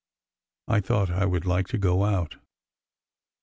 I thought 1 would like to go out.